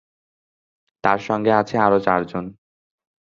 তার সঙ্গে আছে আরও চারজন।